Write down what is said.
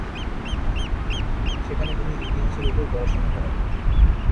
সেখানে তিনি ইতিহাসের উপর পড়াশোনা করেন।